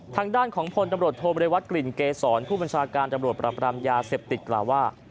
ทางด้านของพลตำรวจโทบริวัตรกลิ่นเกษรผู้บัญชาการตำรวจปรับรามยาเสพติดกล่าวว่า